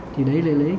thì đấy là lấy